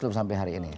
lalu sampai hari ini